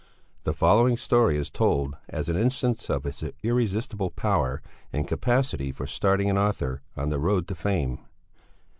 The following story is told as an instance of his irresistible power and capacity for starting an author on the road to fame.